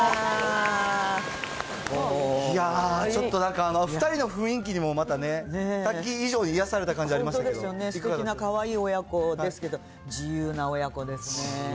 いやー、ちょっとなんか、２人の雰囲気にもまたね、滝以上に癒やされた感じありましたけど本当ですよね、すてきなかわいい親子ですけど、自由な親子ですね。